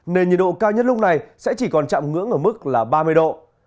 nền nhiệt độ cao nhất lúc này sẽ chỉ còn chạm ngưỡng ở mức là ba mươi độ